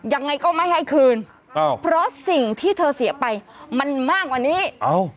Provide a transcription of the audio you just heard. ยังไงก็ไม่ให้คืนอ้าวเพราะสิ่งที่เธอเสียไปมันมากกว่านี้เอ้า